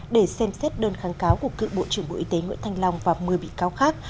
để xem xét đơn kháng cáo của cựu bộ trưởng bộ y tế nguyễn thanh long và một mươi bị cáo khác